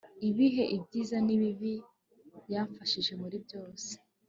ibihe, ibyiza n'ibibi, yamfashije muri byose